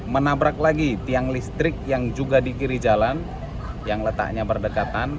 menabrak lagi tiang listrik yang juga di kiri jalan yang letaknya berdekatan